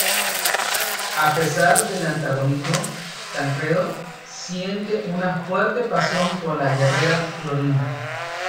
A pesar del antagonismo, Tancredo siente una fuerte pasión por la guerrera Clorinda.